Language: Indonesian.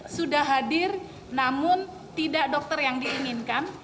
sudah hadir namun tidak dokter yang diinginkan